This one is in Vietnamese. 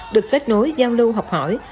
được kết nối giao lưu học hỏi